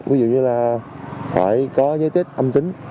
ví dụ như là phải có giới tiết âm tính